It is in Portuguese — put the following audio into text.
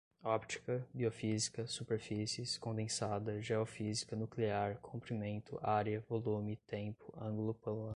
óptica, biofísica, superfícies, condensada, geofísica, nuclear, comprimento, área, volume, tempo, ângulo plano